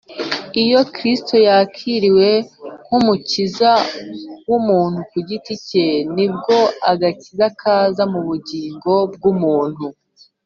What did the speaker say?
iyo kristo yakiriwe nk’umukiza w’umuntu ku giti cye, ni bwo agakiza kaza mu bugingo bw’umuntu